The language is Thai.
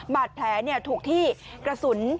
บาดแผลถูกที่กระสุน